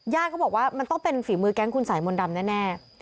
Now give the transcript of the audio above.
ญาติก็บอกว่ามันต้องเป็นฝีมือแก๊งศัยศาสตร์มนตร์ดำแน่